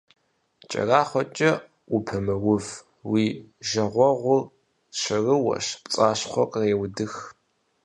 КӀэрахъуэкӀэ упэмыув, уи жагъуэгъур шэрыуэщ, пцӀащхъуэр къреудых.